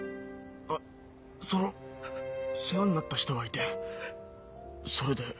あその世話んなった人がいてそれで。